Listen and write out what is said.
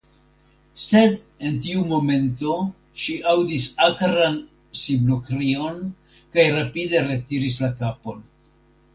Sed en tiu momento ŝi aŭdis akran siblokrion, kaj rapide retiris la kapon.